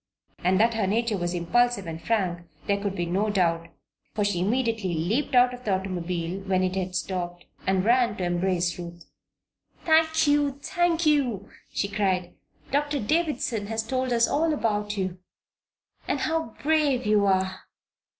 And that her nature was impulsive and frank there could be no doubt, for she immediately leaped out of the automobile, when it had stopped, and ran to embrace Ruth. "Thank you! thank you!" she cried. "Doctor Davison has told us all about you and how brave you are!